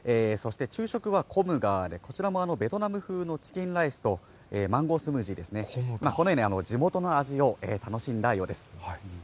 そして昼食はコムガーで、こちらもベトナム風のチキンライスとマンゴースムージーですね、このように、地元の味を楽しんだようです。